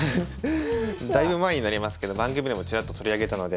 だいぶ前になりますけど番組でもちらっと取り上げたので。